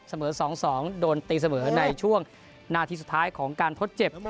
เสมอ๒๒โดนตีเสมอในช่วงหน้าที่สุดท้ายของการทดเจ็บ